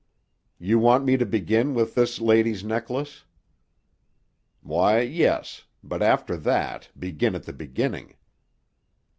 "You want me to begin with this lady's necklace?" "Why, yes. But after that, begin at the beginning."